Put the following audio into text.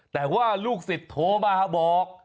แต่ว่าลูกศิษย์โทรมาบอก